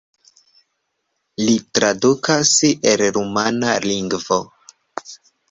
Li tradukas el rumana lingvo.